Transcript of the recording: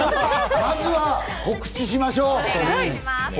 まずは告知しましょう。